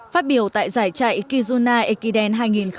phát biểu tại giải chạy kizuna ekiden hai nghìn một mươi chín